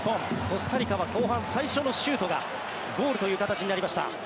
コスタリカは後半、最初のシュートがゴールという形になりました。